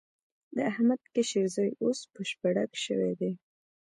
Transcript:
د احمد کشر زوی اوس بشپړک شوی دی.